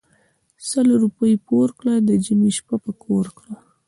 سل روپی پور کړه د ژمي شپه په کور کړه .